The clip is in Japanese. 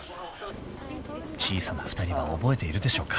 ［小さな２人は覚えているでしょうか］